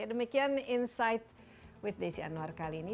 demikian insight with desi anwar kali ini